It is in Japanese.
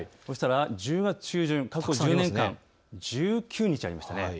１０月中旬、過去１０年間、１９日、ありました。